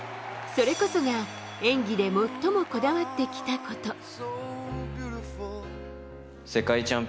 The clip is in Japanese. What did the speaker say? それこそが演技で最もこだわってきたこと。